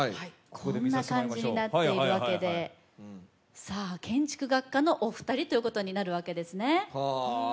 こんな感じになっているわけで建築学科のお二人ということになりますね。